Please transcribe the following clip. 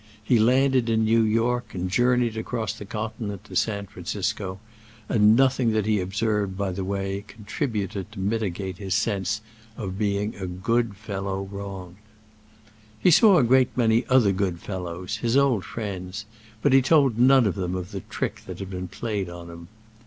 He landed in New York and journeyed across the continent to San Francisco, and nothing that he observed by the way contributed to mitigate his sense of being a good fellow wronged. He saw a great many other good fellows—his old friends—but he told none of them of the trick that had been played him.